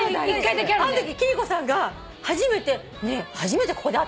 あのとき貴理子さんが「初めてここで会ったね」